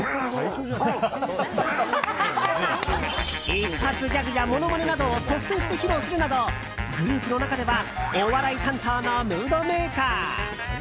一発ギャグや、ものまねなどを率先して披露するなどグループの中ではお笑い担当のムードメーカー。